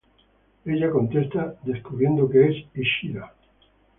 Ella contesta, descubriendo que es Ishida.